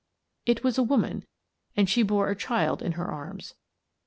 " It was a woman, and she bore a child in her arms.